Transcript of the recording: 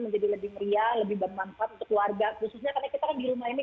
menjadi lebih meriah lebih bermanfaat untuk keluarga khususnya karena kita kan di rumah ini